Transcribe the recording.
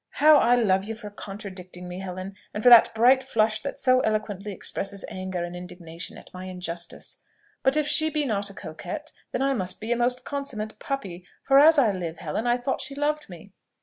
"How I love you for contradicting me, Helen! and for that bright flush that so eloquently expresses anger and indignation at my injustice! But if she be not a coquette, then must I be a most consummate puppy; for as I live, Helen, I thought she loved me."